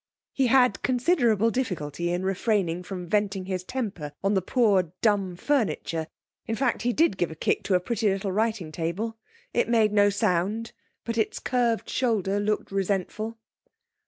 He had considerable difficulty in refraining from venting his temper on the poor, dumb furniture; in fact, he did give a kick to a pretty little writing table. It made no sound, but its curved shoulder looked resentful.